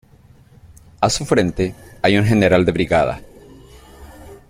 A su frente hay un General de Brigada.